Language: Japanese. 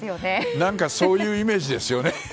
そういうイメージですよね。